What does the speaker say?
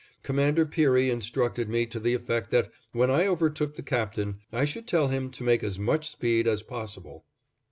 Commander Peary instructed me to the effect that, when I overtook the Captain, I should tell him to make as much speed as possible.